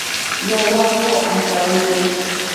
Nowanko antaroite.